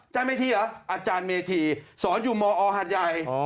เจ้าเมธีเหรออาจารย์เมธีสอนอยู่มอหันยัย